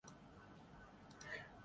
تو ہے اور اک تغافل پیہم